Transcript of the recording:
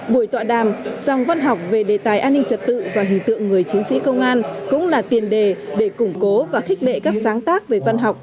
buổi tọa đàm dòng văn học về đề tài an ninh trật tự và hình tượng người chiến sĩ công an cũng là tiền đề để củng cố và khích lệ các sáng tác về văn học